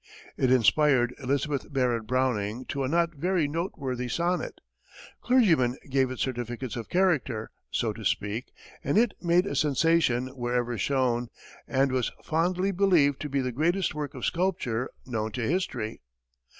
It inspired Elizabeth Barrett Browning to a not very noteworthy sonnet, clergymen gave it certificates of character, so to speak, and "it made a sensation wherever shown, and was fondly believed to be the greatest work of sculpture known to history."